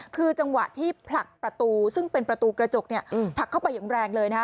คือจังหวะที่ผลักประตูซึ่งเป็นประตูกระจกเนี่ยผลักเข้าไปอย่างแรงเลยนะฮะ